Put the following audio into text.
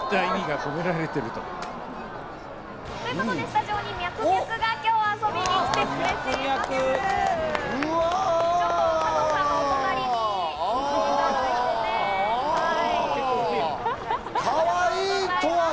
スタジオにミャクミャクが今日遊びに来てくれています。